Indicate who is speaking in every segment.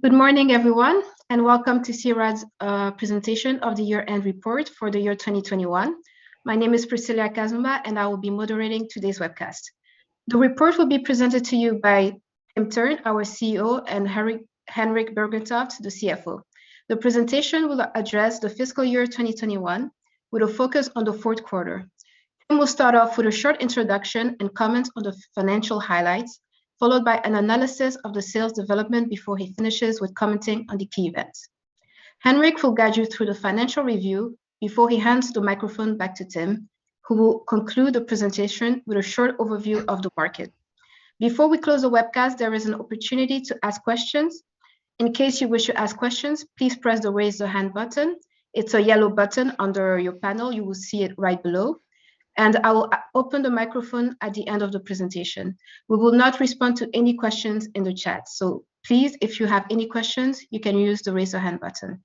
Speaker 1: Good morning, everyone, and welcome to C-RAD's presentation of the year-end report for the year 2021. My name is Priscilla Kazumba, and I will be moderating today's webcast. The report will be presented to you by Tim Thurn, our CEO, and Henrik Bergentoft, the CFO. The presentation will address the fiscal year 2021 with a focus on the fourth quarter. Tim will start off with a short introduction and comment on the financial highlights, followed by an analysis of the sales development before he finishes with commenting on the key events. Henrik will guide you through the financial review before he hands the microphone back to Tim, who will conclude the presentation with a short overview of the market. Before we close the webcast, there is an opportunity to ask questions. In case you wish to ask questions, please press the Raise Your Hand button. It's a yellow button under your panel. You will see it right below. I will open the microphone at the end of the presentation. We will not respond to any questions in the chat. Please, if you have any questions, you can use the Raise a Hand button.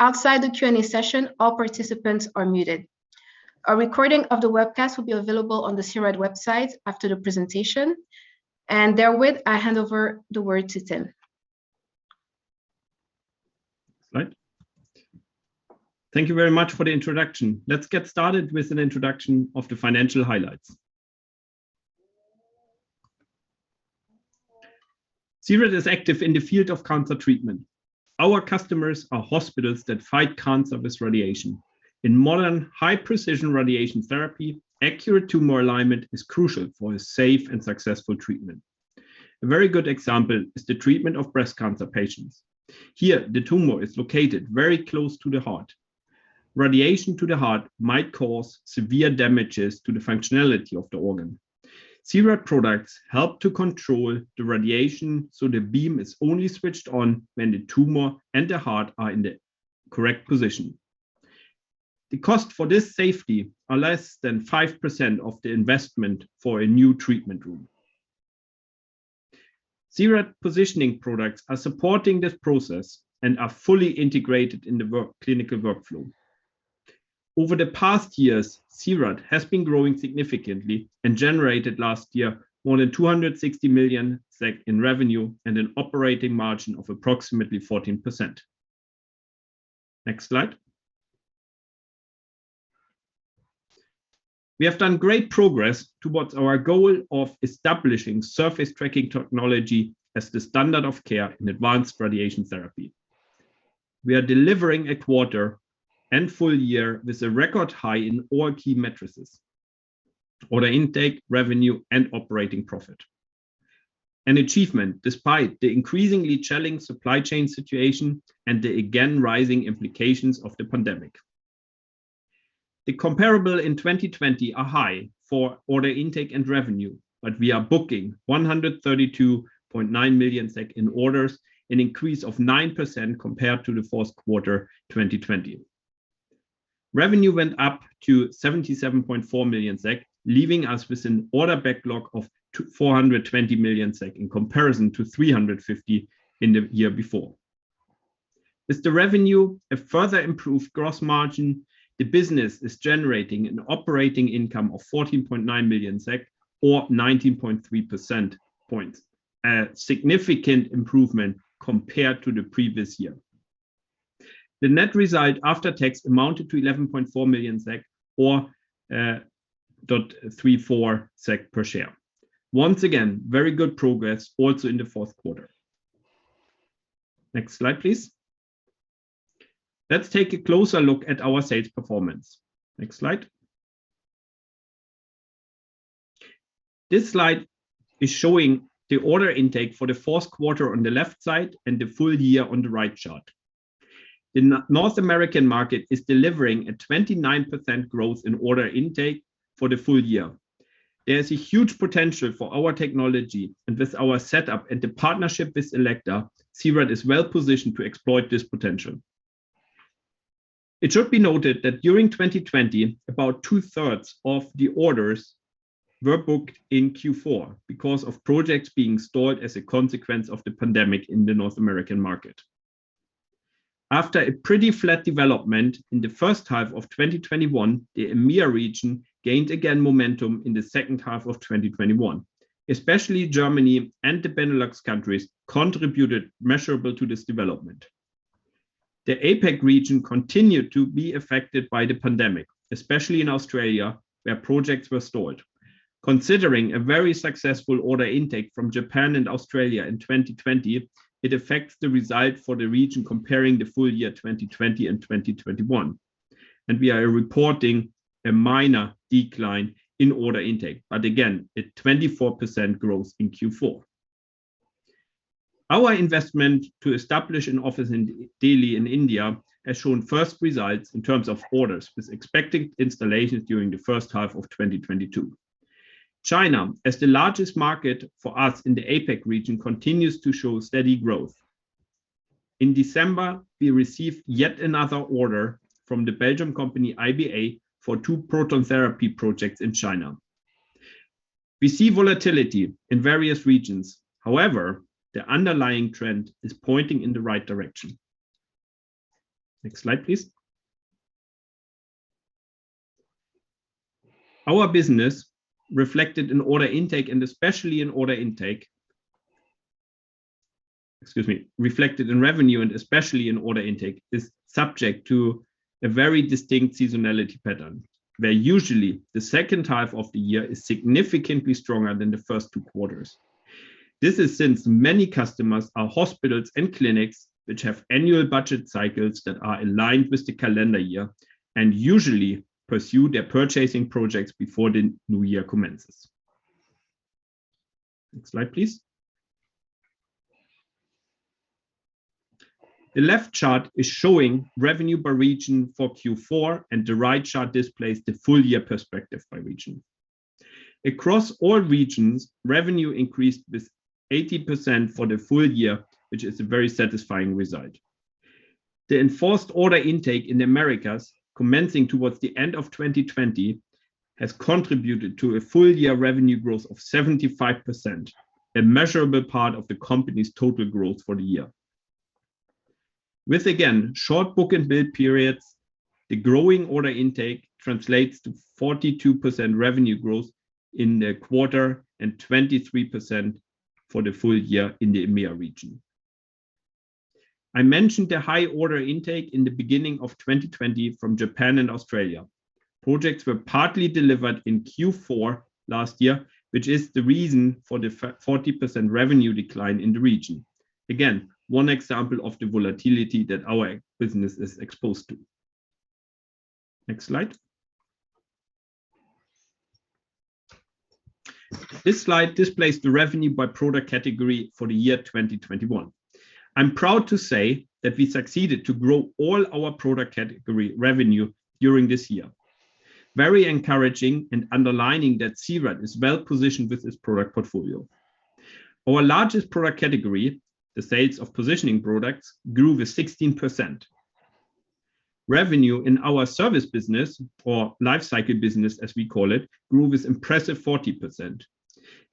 Speaker 1: Outside the Q&A session, all participants are muted. A recording of the webcast will be available on the C-RAD website after the presentation. With that, I hand over the word to Tim.
Speaker 2: Right. Thank you very much for the introduction. Let's get started with an introduction of the financial highlights. C-RAD is active in the field of cancer treatment. Our customers are hospitals that fight cancer with radiation. In modern high-precision radiation therapy, accurate tumor alignment is crucial for a safe and successful treatment. A very good example is the treatment of breast cancer patients. Here, the tumor is located very close to the heart. Radiation to the heart might cause severe damages to the functionality of the organ. C-RAD products help to control the radiation, so the beam is only switched on when the tumor and the heart are in the correct position. The cost for this safety is less than 5% of the investment for a new treatment room. C-RAD positioning products are supporting this process and are fully integrated in the clinical workflow. Over the past years, C-RAD has been growing significantly and generated last year more than 260 million SEK in revenue and an operating margin of approximately 14%. Next slide. We have made great progress towards our goal of establishing surface tracking technology as the standard of care in advanced radiation therapy. We are delivering a quarter and full year with a record high in all key metrics, order intake, revenue, and operating profit. An achievement despite the increasingly challenging supply chain situation and the again rising implications of the pandemic. The comparables in 2020 are high for order intake and revenue, but we are booking 132.9 million SEK in orders, an increase of 9% compared to the fourth quarter 2020. Revenue went up to 77.4 million SEK, leaving us with an order backlog of 420 million SEK in comparison to 350 million in the year before. With the revenue, a further improved gross margin, the business is generating an operating income of 14.9 million SEK or 19.3 percentage points, a significant improvement compared to the previous year. The net result after tax amounted to 11.4 million SEK or 0.34 SEK per share. Once again, very good progress also in the fourth quarter. Next slide, please. Let's take a closer look at our sales performance. Next slide. This slide is showing the order intake for the fourth quarter on the left side and the full year on the right chart. The North American market is delivering a 29% growth in order intake for the full year. There is a huge potential for our technology, and with our setup and the partnership with Elekta, C-RAD is well-positioned to exploit this potential. It should be noted that during 2020, about two-thirds of the orders were booked in Q4 because of projects being stalled as a consequence of the pandemic in the North American market. After a pretty flat development in the first half of 2021, the EMEA region gained again momentum in the second half of 2021. Especially Germany and the Benelux countries contributed measurably to this development. The APAC region continued to be affected by the pandemic, especially in Australia, where projects were stalled. Considering a very successful order intake from Japan and Australia in 2020, it affects the result for the region comparing the full year 2020 and 2021, and we are reporting a minor decline in order intake. Again, a 24% growth in Q4. Our investment to establish an office in Delhi in India has shown first results in terms of orders, with expected installations during the first half of 2022. China, as the largest market for us in the APAC region, continues to show steady growth. In December, we received yet another order from the Belgian company IBA for 2 proton therapy projects in China. We see volatility in various regions. However, the underlying trend is pointing in the right direction. Next slide, please. Our business reflected in revenue and especially in order intake is subject to a very distinct seasonality pattern, where usually the second half of the year is significantly stronger than the first two quarters. This is since many customers are hospitals and clinics which have annual budget cycles that are aligned with the calendar year and usually pursue their purchasing projects before the new year commences. Next slide, please. The left chart is showing revenue per region for Q4, and the right chart displays the full year perspective by region. Across all regions, revenue increased with 80% for the full year, which is a very satisfying result. The enforced order intake in Americas commencing towards the end of 2020 has contributed to a full year revenue growth of 75%, a measurable part of the company's total growth for the year. With again, short book and build periods, the growing order intake translates to 42% revenue growth in the quarter and 23% for the full year in the EMEA region. I mentioned the high order intake in the beginning of 2020 from Japan and Australia. Projects were partly delivered in Q4 last year, which is the reason for the forty percent revenue decline in the region. Again, one example of the volatility that our business is exposed to. Next slide. This slide displays the revenue by product category for the year 2021. I'm proud to say that we succeeded to grow all our product category revenue during this year. Very encouraging and underlining that C-RAD is well-positioned with its product portfolio. Our largest product category, the sales of positioning products, grew with 16%. Revenue in our service business or Life Cycle Business, as we call it, grew with impressive 40%.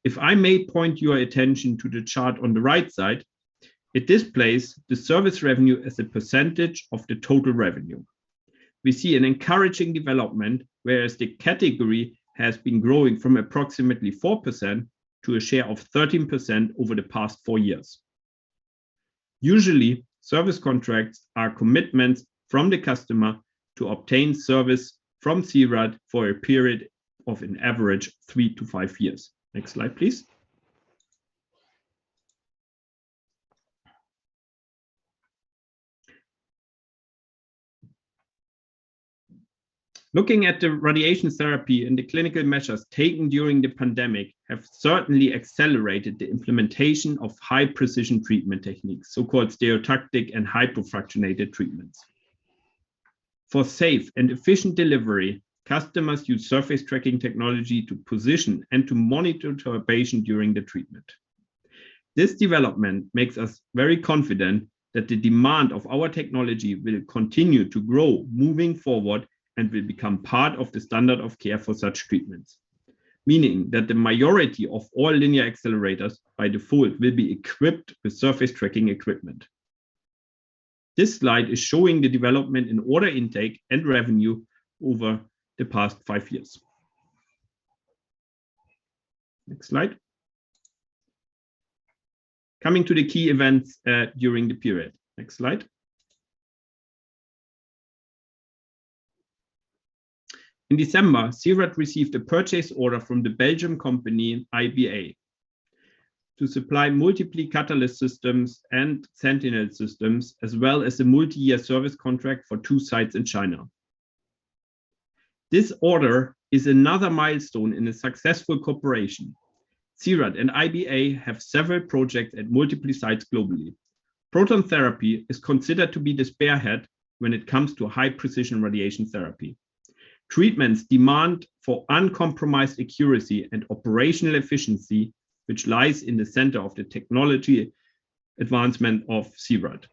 Speaker 2: If I may point your attention to the chart on the right side, it displays the service revenue as a percentage of the total revenue. We see an encouraging development, whereas the category has been growing from approximately 4% to a share of 13% over the past four years. Usually, service contracts are commitments from the customer to obtain service from C-RAD for a period of an average 3 to 5 years. Next slide, please. Looking at the radiation therapy and the clinical measures taken during the pandemic have certainly accelerated the implementation of high precision treatment techniques, so-called stereotactic and hypofractionated treatments. For safe and efficient delivery, customers use surface tracking technology to position and to monitor a patient during the treatment. This development makes us very confident that the demand of our technology will continue to grow moving forward and will become part of the standard of care for such treatments, meaning that the majority of all linear accelerators by default will be equipped with surface tracking equipment. This slide is showing the development in order intake and revenue over the past five years. Next slide. Coming to the key events during the period. Next slide. In December, C-RAD received a purchase order from the Belgian company IBA to supply multiple Catalyst systems and Sentinel systems, as well as a multi-year service contract for two sites in China. This order is another milestone in a successful cooperation. C-RAD and IBA have several projects at multiple sites globally. Proton therapy is considered to be the spearhead when it comes to high precision radiation therapy. Treatments demand for uncompromised accuracy and operational efficiency, which lies in the center of the technology advancement of C-RAD.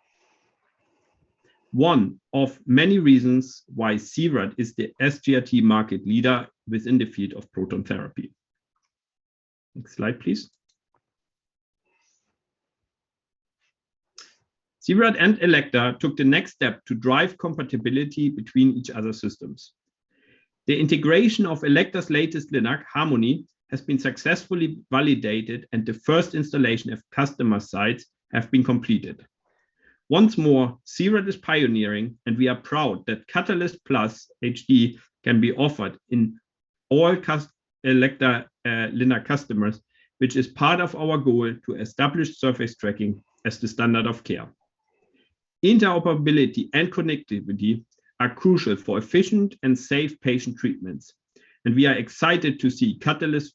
Speaker 2: One of many reasons why C-RAD is the SGRT market leader within the field of proton therapy. Next slide, please. C-RAD and Elekta took the next step to drive compatibility between each other's systems. The integration of Elekta's latest LINAC, Harmony, has been successfully validated and the first installation of customer sites have been completed. Once more, C-RAD is pioneering, and we are proud that Catalyst+ HD can be offered in all Elekta LINAC customers, which is part of our goal to establish surface tracking as the standard of care. Interoperability and connectivity are crucial for efficient and safe patient treatments, and we are excited to see Catalyst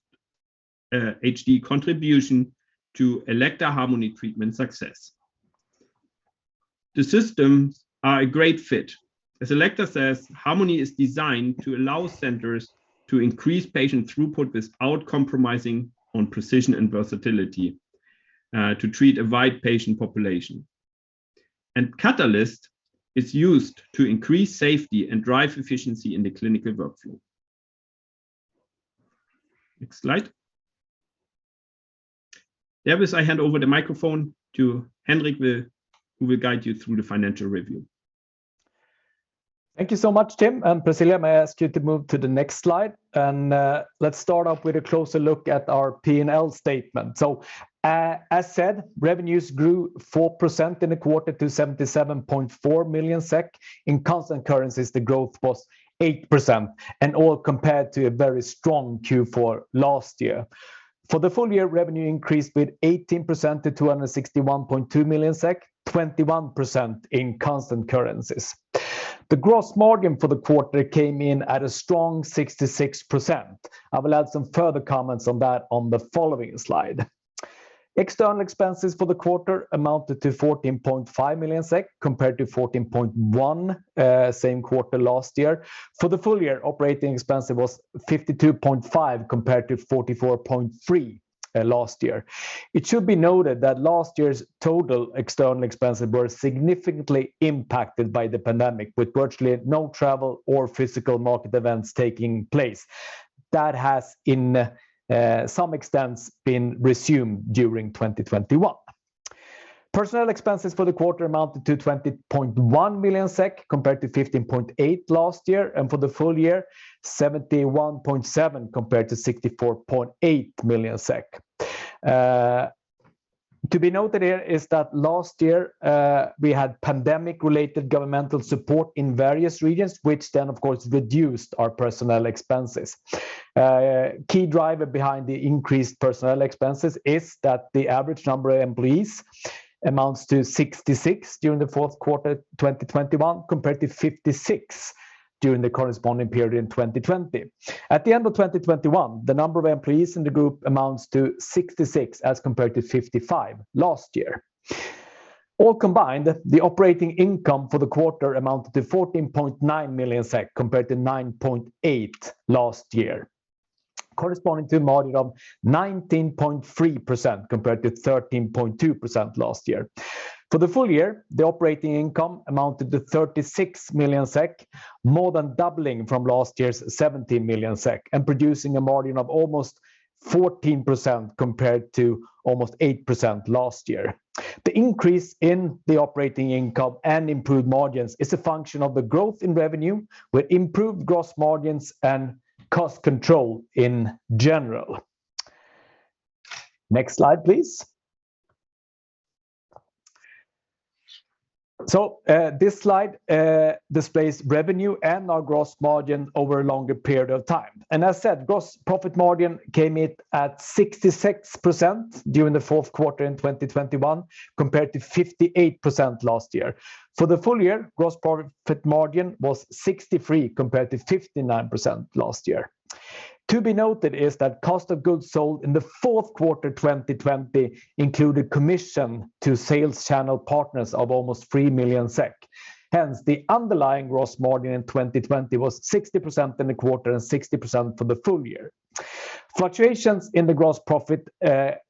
Speaker 2: HD contribution to Elekta Harmony treatment success. The systems are a great fit. As Elekta says, Harmony is designed to allow centers to increase patient throughput without compromising on precision and versatility to treat a wide patient population. Catalyst is used to increase safety and drive efficiency in the clinical workflow. Next slide. There is a handover of the microphone to Henrik, who will guide you through the financial review.
Speaker 3: Thank you so much, Tim and Priscilla. May I ask you to move to the next slide, and let's start off with a closer look at our P&L statement. As said, revenues grew 4% in the quarter to 77.4 million SEK. In constant currencies, the growth was 8% annual compared to a very strong Q4 last year. For the full year, revenue increased with 18% to 261.2 million SEK, 21% in constant currencies. The gross margin for the quarter came in at a strong 66%. I will add some further comments on that on the following slide. External expenses for the quarter amounted to 14.5 million SEK compared to 14.1 million in the same quarter last year. For the full year, operating expense was 52.5 million compared to 44.3 million last year. It should be noted that last year's total external expenses were significantly impacted by the pandemic, with virtually no travel or physical market events taking place. That has to some extent been resumed during 2021. Personnel expenses for the quarter amounted to 20.1 million SEK compared to 15.8 million last year, and for the full year, 71.7 million compared to 64.8 million SEK. To be noted here is that last year, we had pandemic-related governmental support in various regions, which then of course reduced our personnel expenses. Key driver behind the increased personnel expenses is that the average number of employees amounts to 66 during the fourth quarter 2021, compared to 56 during the corresponding period in 2020. At the end of 2021, the number of employees in the group amounts to 66 as compared to 55 last year. All combined, the operating income for the quarter amounted to 14.9 million SEK compared to 9.8 million last year, corresponding to a margin of 19.3% compared to 13.2% last year. For the full year, the operating income amounted to 36 million SEK, more than doubling from last year's 17 million SEK and producing a margin of almost 14% compared to almost 8% last year. The increase in the operating income and improved margins is a function of the growth in revenue with improved gross margins and cost control in general. Next slide, please. This slide displays revenue and our gross margin over a longer period of time. As said, gross profit margin came in at 66% during the fourth quarter in 2021, compared to 58% last year. For the full year, gross profit margin was 63% compared to 59% last year. To be noted is that cost of goods sold in the fourth quarter 2020 included commission to sales channel partners of almost 3 million SEK. Hence, the underlying gross margin in 2020 was 60% in the quarter and 60% for the full year. Fluctuations in the gross profit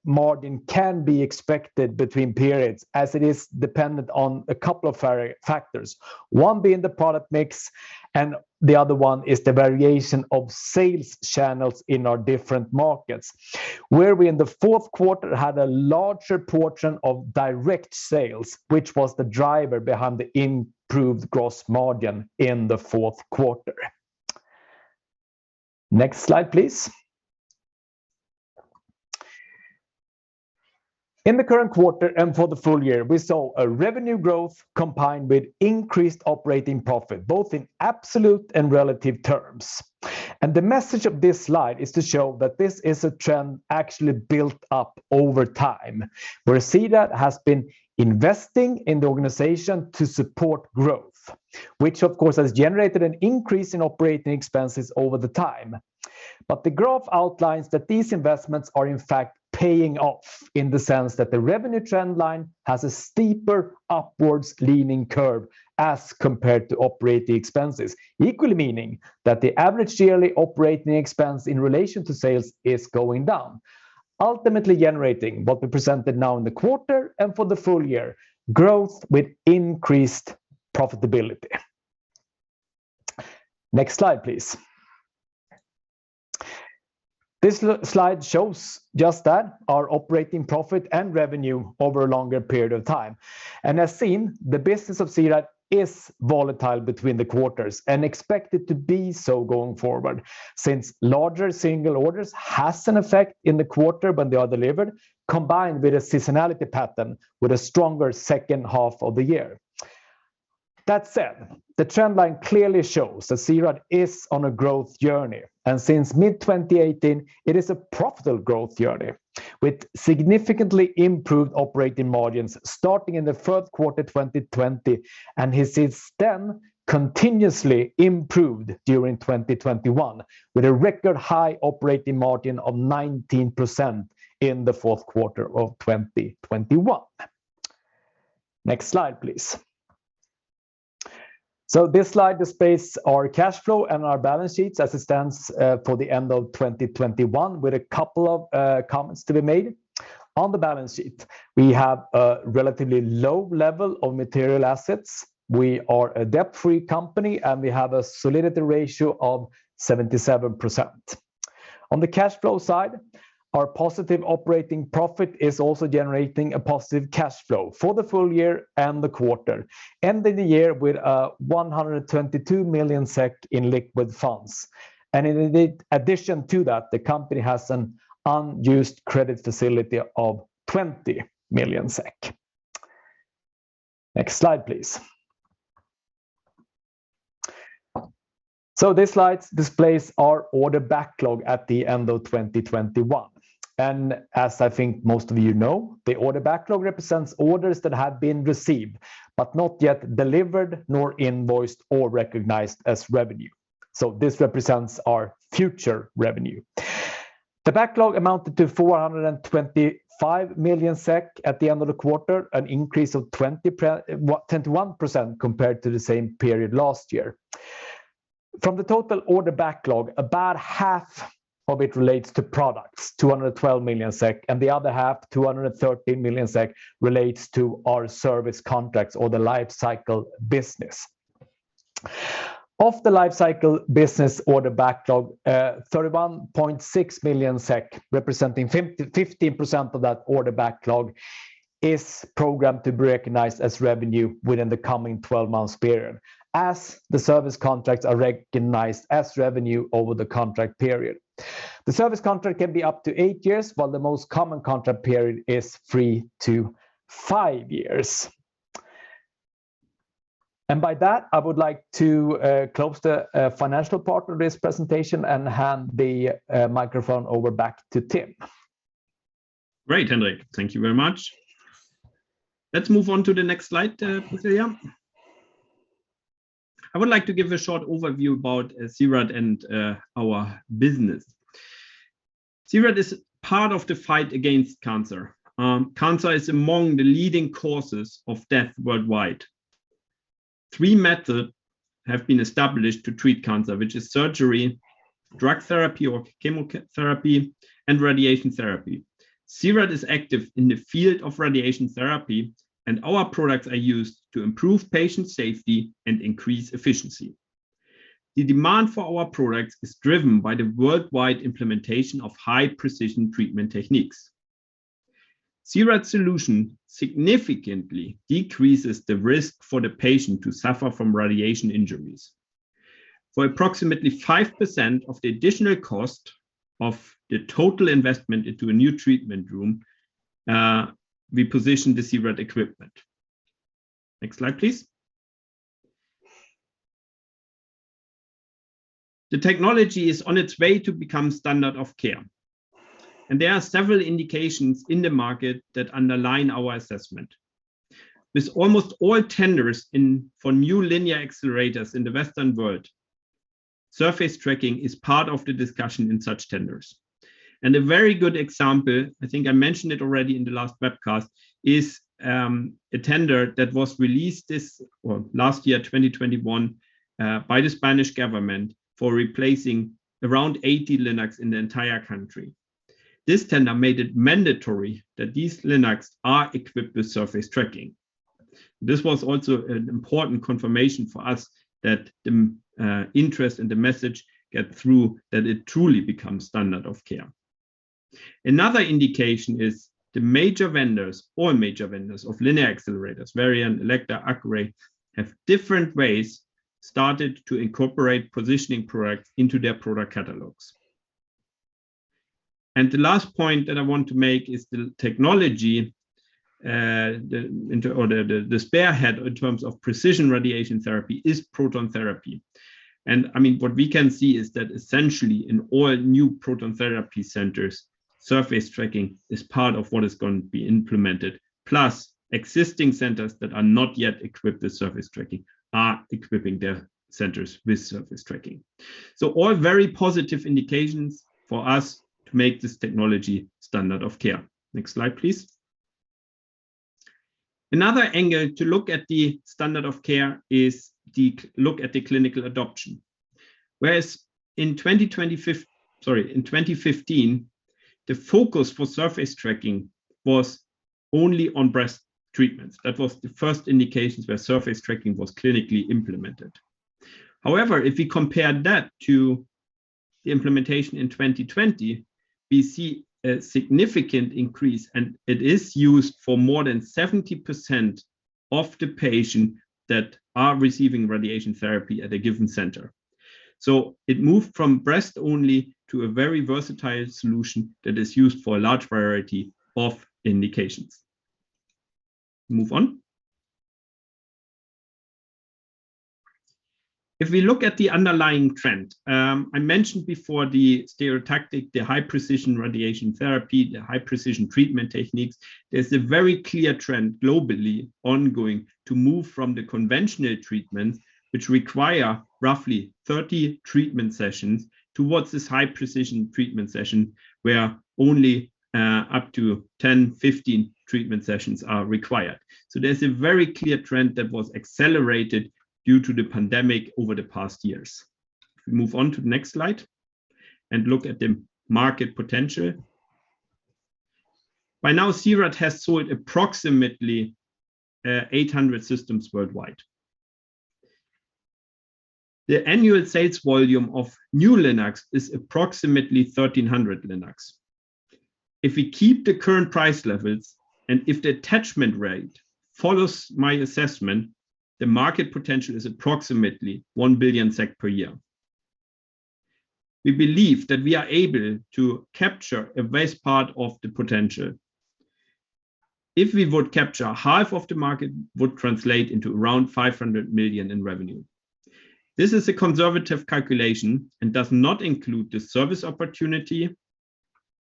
Speaker 3: margin can be expected between periods as it is dependent on a couple of factors. One being the product mix and the other one is the variation of sales channels in our different markets, where we in the fourth quarter had a larger portion of direct sales, which was the driver behind the improved gross margin in the fourth quarter. Next slide, please. In the current quarter and for the full year, we saw a revenue growth combined with increased operating profit, both in absolute and relative terms. The message of this slide is to show that this is a trend actually built up over time. Where C-RAD has been investing in the organization to support growth, which of course, has generated an increase in operating expenses over the time. The graph outlines that these investments are in fact paying off in the sense that the revenue trend line has a steeper upwards leaning curve as compared to operating expenses. Equally meaning that the average yearly operating expense in relation to sales is going down, ultimately generating what we presented now in the quarter and for the full year, growth with increased profitability. Next slide, please. This slide shows just that, our operating profit and revenue over a longer period of time. As seen, the business of C-RAD is volatile between the quarters and expected to be so going forward, since larger single orders has an effect in the quarter when they are delivered, combined with a seasonality pattern with a stronger second half of the year. That said, the trend line clearly shows that C-RAD is on a growth journey, and since mid-2018, it is a profitable growth journey with significantly improved operating margins starting in the third quarter 2020 and has since then continuously improved during 2021 with a record high operating margin of 19% in the fourth quarter of 2021. Next slide, please. This slide displays our cash flow and our balance sheets as it stands for the end of 2021 with a couple of comments to be made. On the balance sheet, we have a relatively low level of material assets. We are a debt-free company, and we have a solidity ratio of 77%. On the cash flow side, our positive operating profit is also generating a positive cash flow for the full year and the quarter, ending the year with one hundred and twenty-two million SEK in liquid funds. In addition to that, the company has an unused credit facility of 20 million SEK. Next slide, please. This slide displays our order backlog at the end of 2021. As I think most of you know, the order backlog represents orders that have been received but not yet delivered nor invoiced or recognized as revenue. This represents our future revenue. The backlog amounted to 425 million SEK at the end of the quarter, an increase of 21% compared to the same period last year. From the total order backlog, about half of it relates to products, 212 million SEK, and the other half, 213 million SEK, relates to our service contracts or the Life Cycle Business. Of the Life Cycle Business order backlog, 31.6 million SEK, representing 15% of that order backlog, is programmed to be recognized as revenue within the coming 12-month period as the service contracts are recognized as revenue over the contract period. The service contract can be up to eight years, while the most common contract period is three to five years. By that, I would like to close the financial part of this presentation and hand the microphone over back to Tim.
Speaker 2: Great, Henrik. Thank you very much. Let's move on to the next slide, Priscilla. I would like to give a short overview about C-RAD and our business. C-RAD is part of the fight against cancer. Cancer is among the leading causes of death worldwide. Three methods have been established to treat cancer, which is surgery, drug therapy or chemotherapy, and radiation therapy. C-RAD is active in the field of radiation therapy, and our products are used to improve patient safety and increase efficiency. The demand for our products is driven by the worldwide implementation of high-precision treatment techniques. C-RAD solution significantly decreases the risk for the patient to suffer from radiation injuries. For approximately 5% of the additional cost of the total investment into a new treatment room, we position the C-RAD equipment. Next slide, please. The technology is on its way to become standard of care, and there are several indications in the market that underline our assessment. With almost all tenders in for new linear accelerators in the Western world, surface tracking is part of the discussion in such tenders. A very good example, I think I mentioned it already in the last webcast, is a tender that was released last year, 2021, by the Spanish government for replacing around 80 LINACs in the entire country. This tender made it mandatory that these LINACs are equipped with surface tracking. This was also an important confirmation for us that the interest and the message get through that it truly becomes standard of care. Another indication is the major vendors of linear accelerators, Varian, Elekta, Accuray, have different ways started to incorporate positioning products into their product catalogs. The last point that I want to make is the technology, the spearhead in terms of precision radiation therapy is proton therapy. I mean, what we can see is that essentially in all new proton therapy centers, surface tracking is part of what is going to be implemented. Plus, existing centers that are not yet equipped with surface tracking are equipping their centers with surface tracking. All very positive indications for us to make this technology standard of care. Next slide, please. Another angle to look at the standard of care is to look at the clinical adoption. Whereas in 2015, the focus for surface tracking was only on breast treatments. That was the first indications where surface tracking was clinically implemented. However, if we compare that to the implementation in 2020, we see a significant increase, and it is used for more than 70% of the patients that are receiving radiation therapy at a given center. It moved from breast only to a very versatile solution that is used for a large variety of indications. Move on. If we look at the underlying trend, I mentioned before the stereotactic, the high-precision radiation therapy, the high-precision treatment techniques. There's a very clear trend globally ongoing to move from the conventional treatments which require roughly 30 treatment sessions towards this high-precision treatment session where only up to 10, 15 treatment sessions are required. There's a very clear trend that was accelerated due to the pandemic over the past years. If we move on to the next slide and look at the market potential. By now, C-RAD has sold approximately 800 systems worldwide. The annual sales volume of new LINACs is approximately 1,300 LINACs. If we keep the current price levels, and if the attachment rate follows my assessment, the market potential is approximately 1 billion SEK per year. We believe that we are able to capture a vast part of the potential. If we would capture half of the market, it would translate into around 500 million in revenue. This is a conservative calculation and does not include the service opportunity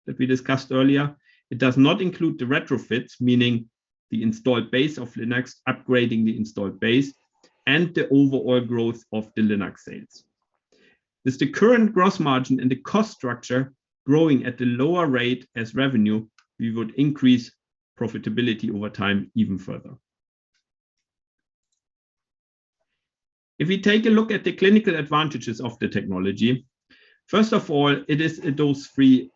Speaker 2: that we discussed earlier. It does not include the retrofits, meaning the installed base of LINACs, upgrading the installed base, and the overall growth of the LINAC sales. With the current gross margin and the cost structure growing at the lower rate as revenue, we would increase profitability over time even further. If we take a look at the clinical advantages of the technology, first of all, it is a dose-free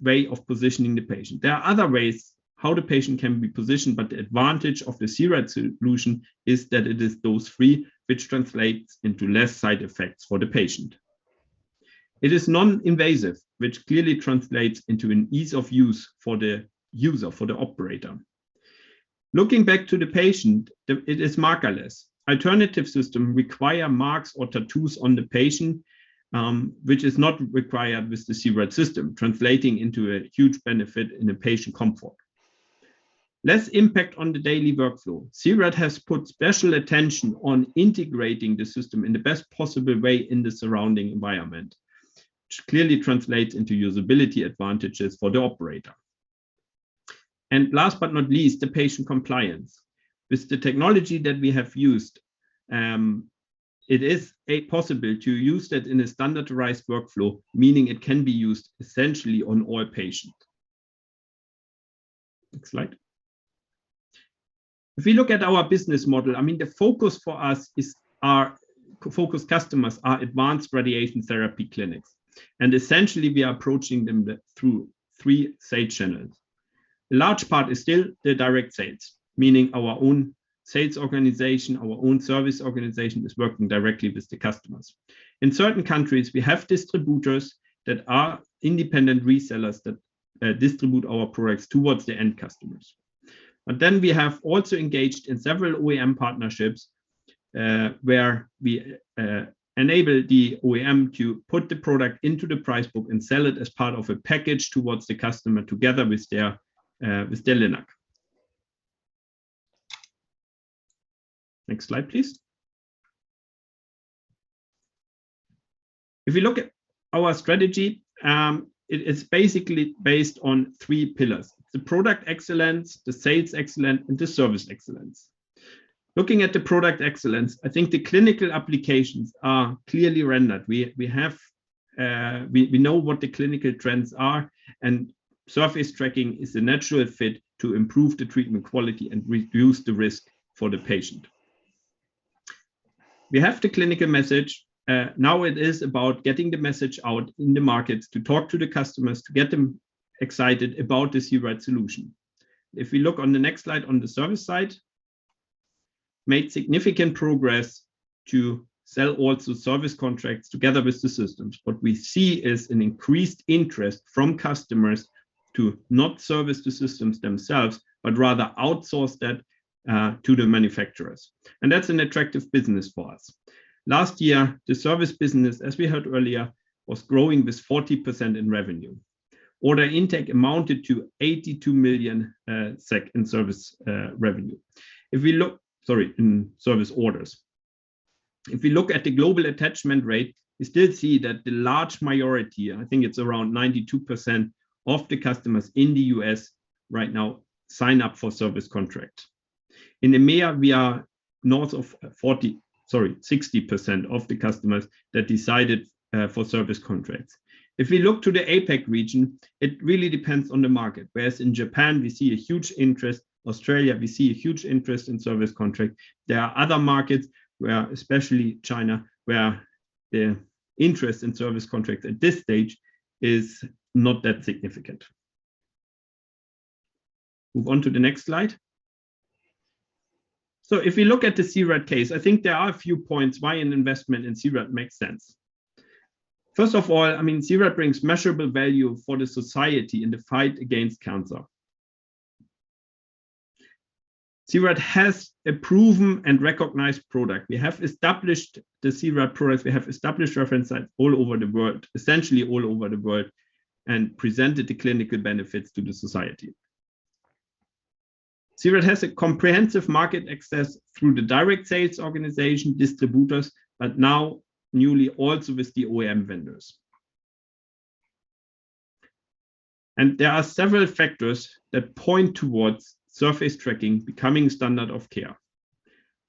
Speaker 2: way of positioning the patient. There are other ways how the patient can be positioned, but the advantage of the C-RAD solution is that it is dose-free, which translates into less side effects for the patient. It is non-invasive, which clearly translates into an ease of use for the user, for the operator. Looking back to the patient, it is markerless. Alternative system require marks or tattoos on the patient, which is not required with the C-RAD system, translating into a huge benefit in the patient comfort. Less impact on the daily workflow. C-RAD has put special attention on integrating the system in the best possible way in the surrounding environment, which clearly translates into usability advantages for the operator. Last but not least, the patient compliance. With the technology that we have used, it is possible to use that in a standardized workflow, meaning it can be used essentially on all patients. Next slide. If we look at our business model, I mean the focus for us is our focus customers are advanced radiation therapy clinics, and essentially, we are approaching them through three sales channels. Large part is still the direct sales, meaning our own sales organization, our own service organization is working directly with the customers. In certain countries, we have distributors that are independent resellers that distribute our products towards the end customers. We have also engaged in several OEM partnerships, where we enable the OEM to put the product into the price book and sell it as part of a package towards the customer together with their LINAC. Next slide, please. If we look at our strategy, it is basically based on three pillars. The product excellence, the sales excellence, and the service excellence. Looking at the product excellence, I think the clinical applications are clearly rendered. We know what the clinical trends are, and surface tracking is a natural fit to improve the treatment quality and reduce the risk for the patient. We have the clinical message. Now it is about getting the message out in the markets to talk to the customers, to get them excited about the C-RAD solution. If we look on the next slide on the service side, we made significant progress to sell also service contracts together with the systems. What we see is an increased interest from customers to not service the systems themselves, but rather outsource that to the manufacturers. That's an attractive business for us. Last year, the service business, as we heard earlier, was growing with 40% in revenue. Order intake amounted to 82 million SEK in service orders. If we look at the global attachment rate, we still see that the large majority, I think it's around 92% of the customers in the U.S. right now sign up for service contract. In EMEA, we are north of 60% of the customers that decided for service contracts. If we look to the APAC region, it really depends on the market. Whereas in Japan, we see a huge interest, Australia, we see a huge interest in service contract. There are other markets where, especially China, where the interest in service contract at this stage is not that significant. Move on to the next slide. If we look at the C-RAD case, I think there are a few points why an investment in C-RAD makes sense. First of all, I mean C-RAD brings measurable value for the society in the fight against cancer. C-RAD has a proven and recognized product. We have established the C-RAD products. We have established reference sites all over the world, essentially all over the world, and presented the clinical benefits to the society. C-RAD has a comprehensive market access through the direct sales organization, distributors, but now newly also with the OEM vendors. There are several factors that point towards surface tracking becoming standard of care.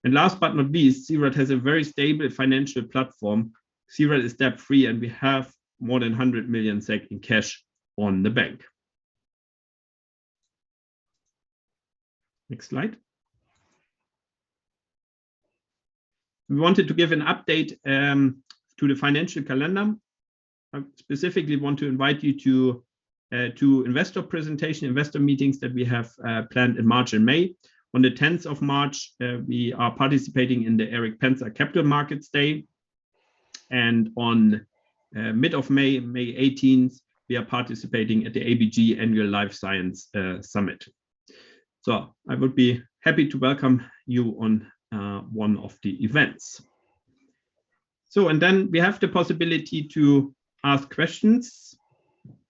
Speaker 2: Last but not least, C-RAD has a very stable financial platform. C-RAD is debt-free, and we have more than 100 million SEK in cash in the bank. Next slide.
Speaker 3: We wanted to give an update to the financial calendar. I specifically want to invite you to investor presentation, investor meetings that we have planned in March and May. On the 10th of March, we are participating in the Erik Penser Capital Markets Day. On mid-May, May 18, we are participating at the ABG Annual Life Science Summit. I would be happy to welcome you on one of the events. Then we have the possibility to ask questions.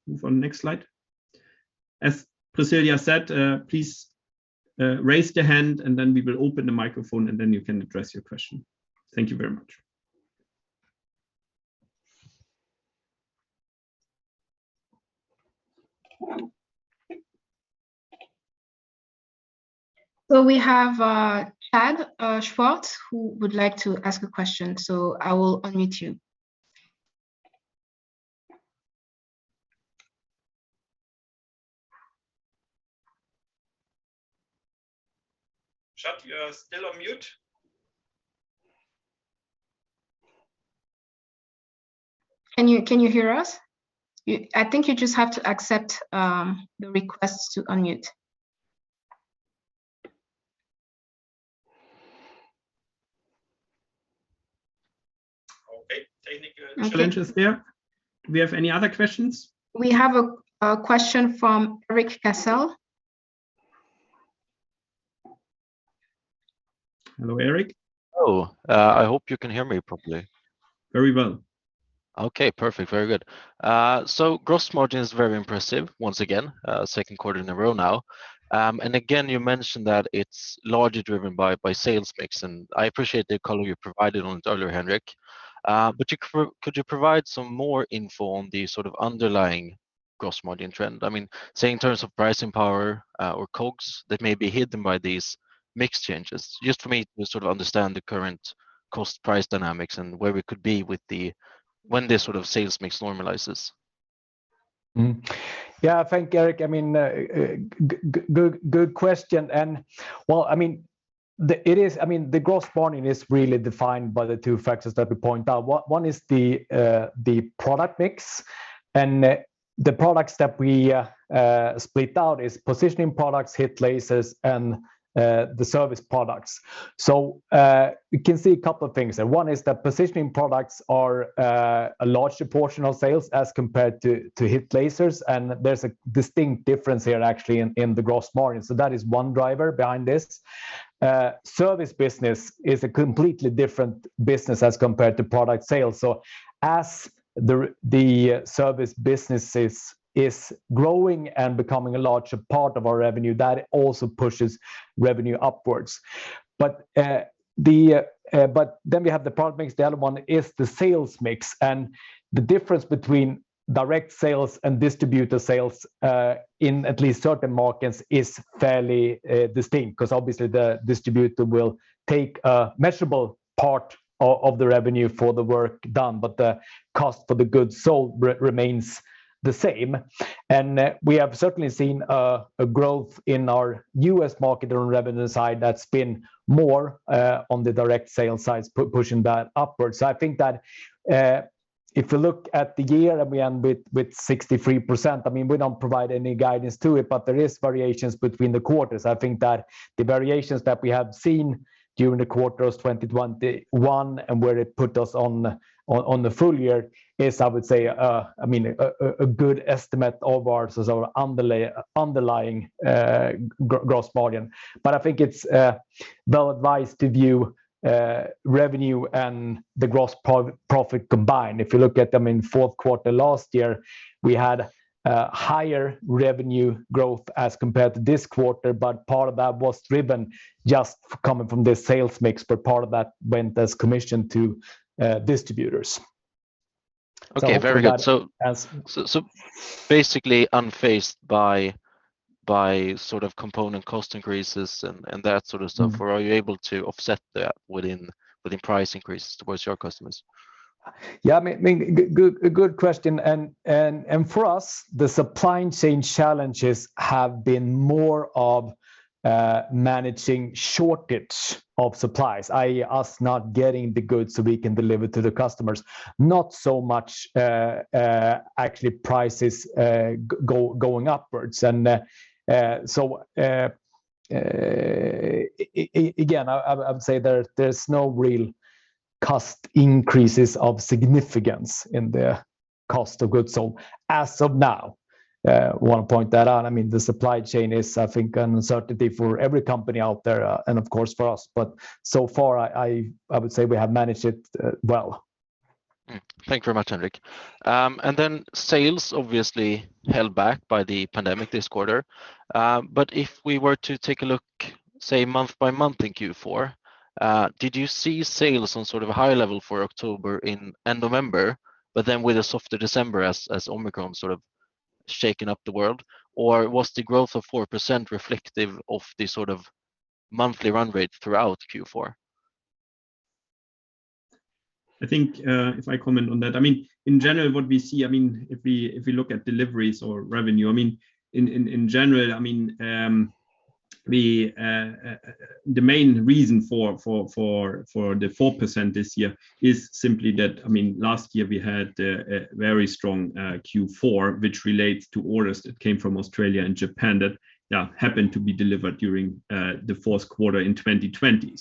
Speaker 3: Move on next slide. As Priscilla said, please raise your hand, and then we will open the microphone, and then you can address your question. Thank you very much.
Speaker 1: We have Chad Schwartz who would like to ask a question, so I will unmute you.
Speaker 3: Chad, you are still on mute.
Speaker 1: Can you hear us? I think you just have to accept the request to unmute.
Speaker 3: Okay. Technical challenges there.
Speaker 1: Okay.
Speaker 3: Do we have any other questions?
Speaker 1: We have a question from Erik Cassel.
Speaker 3: Hello, Erik.
Speaker 4: Hello. I hope you can hear me properly.
Speaker 3: Very well.
Speaker 4: Okay. Perfect. Very good. Gross margin is very impressive once again, second quarter in a row now. Again you mentioned that it's largely driven by sales mix, and I appreciate the color you provided on it earlier, Henrik. You could provide some more info on the sort of underlying gross margin trend. I mean, say in terms of pricing power, or COGS that may be hidden by these mix changes. Just for me to sort of understand the current cost-price dynamics and where we could be when this sort of sales mix normalizes.
Speaker 3: Yeah. Thank you, Erik. I mean, good question. Well, I mean, the gross margin is really defined by the two factors that we point out. One is the product mix, and the products that we split out is positioning products, HIT lasers and the service products. You can see a couple of things there. One is that positioning products are a larger portion of sales as compared to HIT lasers, and there's a distinct difference here actually in the gross margin. That is one driver behind this. Service business is a completely different business as compared to product sales. As the service business is growing and becoming a larger part of our revenue, that also pushes revenue upwards. We have the product mix. The other one is the sales mix. The difference between direct sales and distributor sales, in at least certain markets is fairly distinct, 'cause obviously the distributor will take a measurable part of the revenue for the work done, but the cost for the goods sold remains the same. We have certainly seen a growth in our U.S. market on the revenue side that's been more on the direct sales side, pushing that upwards. I think that, if you look at the year that we end with 63%, I mean, we don't provide any guidance to it, but there is variations between the quarters. I think that the variations that we have seen during the quarters 2021, Q1 and where it put us on the full year is, I would say, I mean, a good estimate of our sort of underlying gross margin. I think it's well-advised to view revenue and the gross profit combined. If you look at them in fourth quarter last year, we had higher revenue growth as compared to this quarter, but part of that was driven just coming from the sales mix, but part of that went as commission to distributors.
Speaker 4: Okay. Very good.
Speaker 3: Looking at it as.
Speaker 4: Basically unfazed by sort of component cost increases and that sort of stuff.
Speaker 3: Mm-hmm.
Speaker 4: Are you able to offset that within price increases towards your customers?
Speaker 3: Yeah. I mean, good question. For us, the supply chain challenges have been more of managing shortage of supplies, i.e., us not getting the goods so we can deliver to the customers, not so much actually prices going upwards. Again, I'll say there's no real cost increases of significance in the cost of goods sold as of now. Wanna point that out. I mean, the supply chain is, I think, an uncertainty for every company out there, and of course for us. So far, I would say we have managed it well.
Speaker 4: Thank you very much, Henrik. Sales obviously held back by the pandemic this quarter. If we were to take a look, say, month by month in Q4, did you see sales on sort of a high level for October and November, but then with a softer December as Omicron sort of shaken up the world? Or was the growth of 4% reflective of the sort of monthly run rate throughout Q4?
Speaker 2: I think, if I comment on that, I mean, in general, what we see, I mean, if we look at deliveries or revenue, I mean, in general, I mean, the main reason for the 4% this year is simply that, I mean, last year we had a very strong Q4 which relates to orders that came from Australia and Japan that happened to be delivered during the fourth quarter in 2020.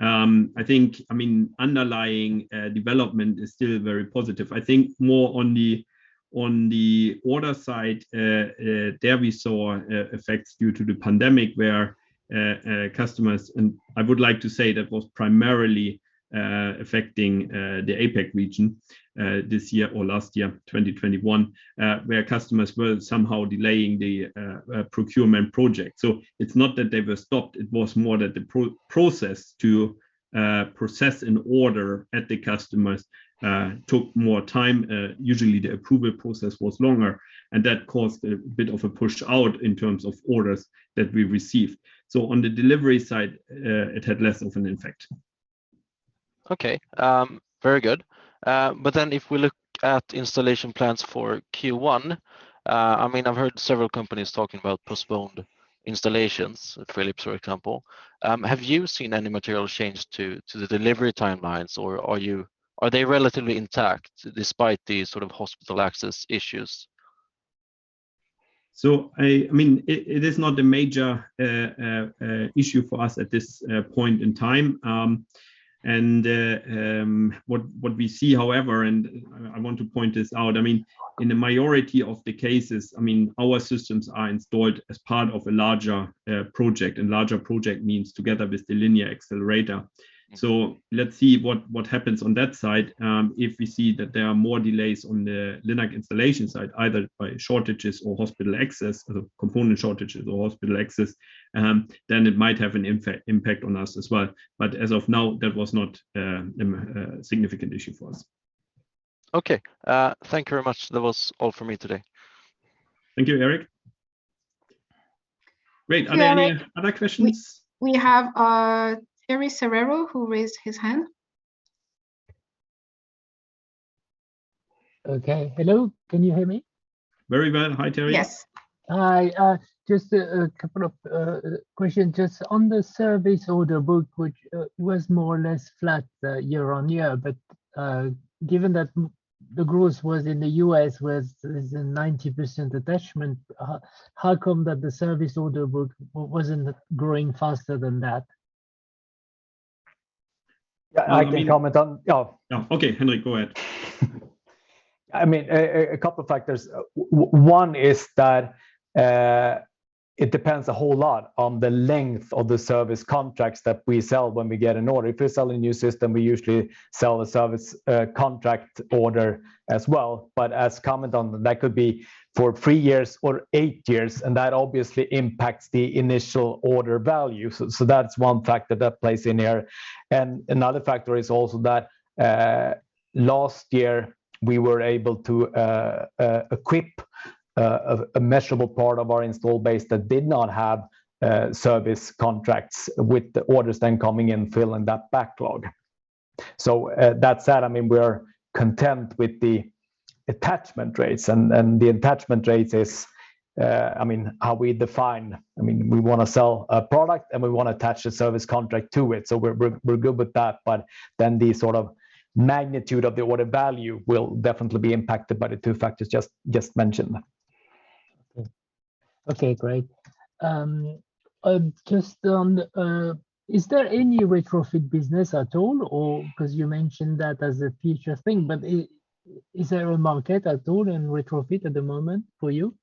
Speaker 2: I think, I mean, underlying development is still very positive. I think more on the order side, there we saw effects due to the pandemic where customers, and I would like to say that was primarily affecting the APAC region this year or last year, 2021, where customers were somehow delaying the procurement project. It's not that they were stopped, it was more that the process to process an order at the customers took more time. Usually the approval process was longer, and that caused a bit of a push out in terms of orders that we received. On the delivery side, it had less of an effect.
Speaker 4: If we look at installation plans for Q1, I mean, I've heard several companies talking about postponed installations, Philips for example. Have you seen any material change to the delivery timelines? Are they relatively intact despite the sort of hospital access issues?
Speaker 2: I mean, it is not a major issue for us at this point in time. What we see, however, I want to point this out. I mean, in the majority of the cases, I mean, our systems are installed as part of a larger project, and larger project means together with the linear accelerator. Let's see what happens on that side. If we see that there are more delays on the LINAC installation side, either by component shortages or hospital access, then it might have an impact on us as well. As of now, that was not a significant issue for us.
Speaker 4: Okay. Thank you very much. That was all for me today.
Speaker 2: Thank you, Erik. Great. Are there any other questions?
Speaker 1: We have, Terry Serrero who raised his hand.
Speaker 5: Okay. Hello, can you hear me?
Speaker 2: Very well. Hi, Terry.
Speaker 1: Yes.
Speaker 5: Hi. Just a couple of questions. Just on the service order book, which was more or less flat year-over-year, but given that the growth in the U.S. was a 90% attachment, how come that the service order book wasn't growing faster than that?
Speaker 2: I can comment on. Yeah. Okay, Henrik, go ahead.
Speaker 3: I mean, a couple of factors. One is that it depends a whole lot on the length of the service contracts that we sell when we get an order. If we sell a new system, we usually sell a service contract order as well. But a comment on that could be for three years or eight years, and that obviously impacts the initial order value. That's one factor that plays in there. Another factor is also that last year, we were able to equip a measurable part of our installed base that did not have service contracts with the orders then coming in filling that backlog. That said, I mean, we're content with the attachment rates and the attachment rate is, I mean, we wanna sell a product and we wanna attach a service contract to it. We're good with that. But then the sort of magnitude of the order value will definitely be impacted by the two factors just mentioned.
Speaker 5: Okay, great. Just on, is there any retrofit business at all or 'cause you mentioned that as a future thing? Is there a market at all in retrofit at the moment for you?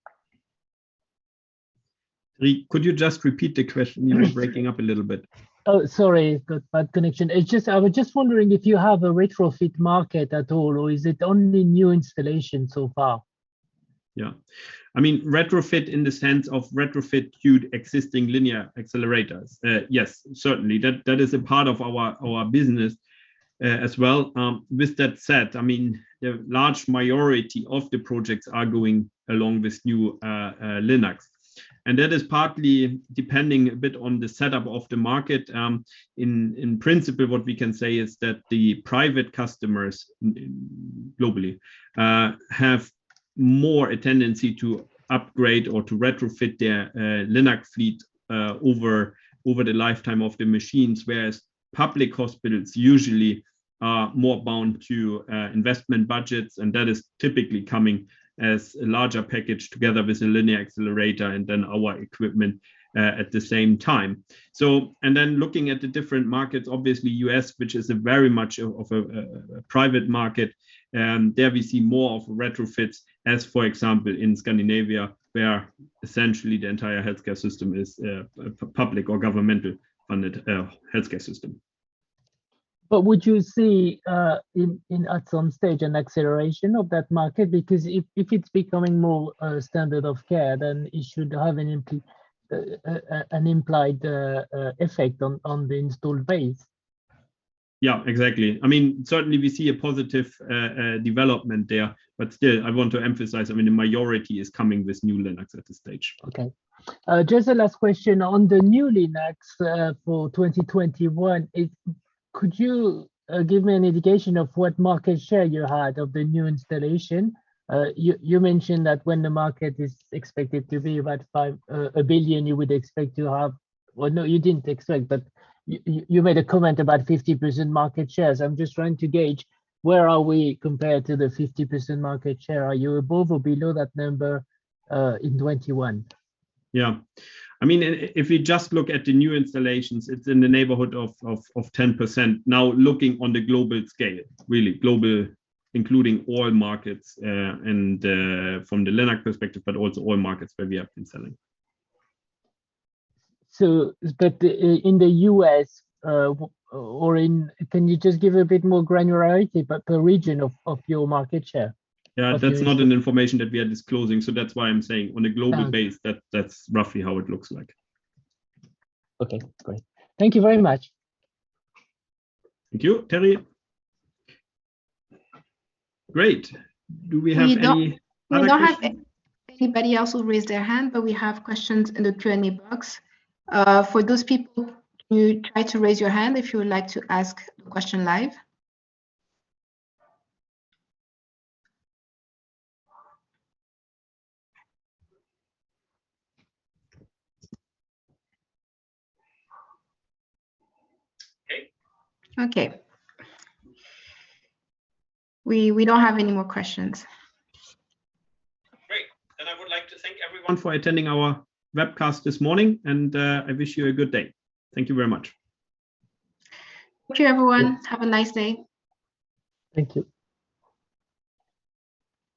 Speaker 2: Could you just repeat the question? You're breaking up a little bit.
Speaker 5: Oh, sorry. Got bad connection. It's just, I was just wondering if you have a retrofit market at all, or is it only new installation so far?
Speaker 2: Yeah. I mean, retrofit in the sense of retrofit to existing linear accelerators. Yes, certainly. That is a part of our business as well. With that said, I mean, the large majority of the projects are going along with new LINACs. That is partly depending a bit on the setup of the market. In principle, what we can say is that the private customers globally have more a tendency to upgrade or to retrofit their LINAC fleet over the lifetime of the machines, whereas public hospitals usually are more bound to investment budgets, and that is typically coming as a larger package together with a linear accelerator and then our equipment at the same time. Looking at the different markets, obviously U.S., which is very much of a private market, and there we see more of retrofits as, for example, in Scandinavia, where essentially the entire healthcare system is a public or government-funded healthcare system.
Speaker 5: Would you see at some stage an acceleration of that market? Because if it's becoming more standard of care, then it should have an implied effect on the installed base.
Speaker 2: Yeah, exactly. I mean, certainly we see a positive development there, but still, I want to emphasize, I mean, the majority is coming with new LINACs at this stage.
Speaker 5: Okay. Just a last question. On the new LINACs for 2021, could you give me an indication of what market share you had of the new installation? You mentioned that when the market is expected to be about 5 billion, you would expect to have. Well, no, you didn't expect, but you made a comment about 50% market shares. I'm just trying to gauge where are we compared to the 50% market share. Are you above or below that number in 2021?
Speaker 2: Yeah. I mean, if you just look at the new installations, it's in the neighborhood of 10%. Now, looking on the global scale, really global including all markets from the LINAC perspective, but also all markets where we have been selling.
Speaker 5: In the U.S., can you just give a bit more granularity about the region of your market share?
Speaker 2: Yeah, that's not an information that we are disclosing, so that's why I'm saying on a global
Speaker 5: No
Speaker 2: base that's roughly how it looks like.
Speaker 5: Okay, great. Thank you very much.
Speaker 2: Thank you. Terry? Great. Do we have any other questions?
Speaker 1: We don't have anybody else who raised their hand, but we have questions in the Q&A box. For those people, can you try to raise your hand if you would like to ask a question live?
Speaker 2: Okay.
Speaker 1: Okay. We don't have any more questions.
Speaker 2: Great. I would like to thank everyone for attending our webcast this morning, and I wish you a good day. Thank you very much.
Speaker 1: Thank you, everyone. Have a nice day.
Speaker 5: Thank you.